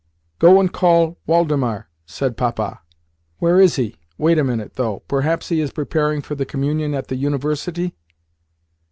"Go and call Woldemar," said Papa. "Where is he? Wait a minute, though. Perhaps he is preparing for the Communion at the University?"